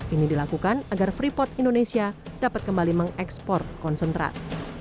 ini dilakukan agar freeport indonesia dapat kembali mengekspor konsentrat